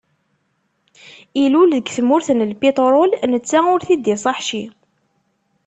Ilul deg tmurt n lpiṭrul netta ur t-id-iṣaḥ ci.